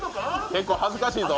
結構恥ずかしいぞ。